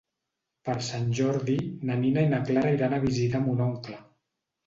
Per Sant Jordi na Nina i na Clara iran a visitar mon oncle.